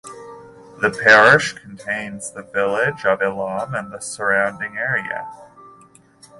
The parish contains the village of Ilam and the surrounding area.